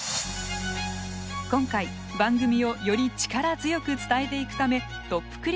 今回番組をより力強く伝えていくためトップ